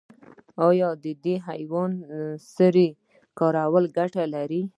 آیا د حیواني سرې کارول ګټور دي؟